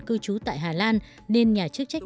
cư trú tại hà lan nên nhà chức trách